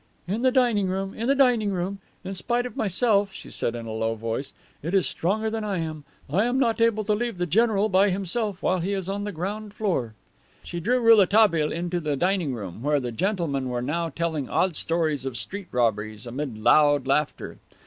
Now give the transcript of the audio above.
"In the dining room, in the dining room. In spite of myself," she said in a low voice, "it is stronger than I am. I am not able to leave the general by himself while he is on the ground floor." She drew Rouletabille into the dining room, where the gentlemen were now telling odd stories of street robberies amid loud laughter.